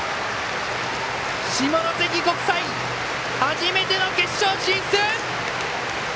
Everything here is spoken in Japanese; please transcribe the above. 下関国際、初めての決勝進出！